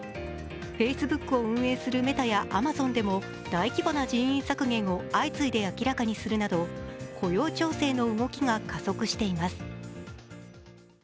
Ｆａｃｅｂｏｏｋを運営するメタやアマゾンでも大規模な人員削減を相次いで明らかにするなど雇用調整の動きが加速しています。